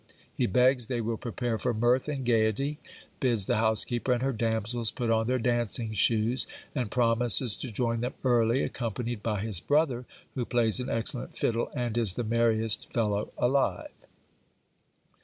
He begs they will prepare for mirth and gaiety, bids the housekeeper and her damsels put on their dancing shoes, and promises to join them early, accompanied by his brother, who plays an excellent fiddle, and is the merriest fellow alive.